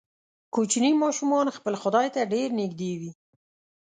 کوچني ماشومان خپل خدای ته ډیر نږدې وي.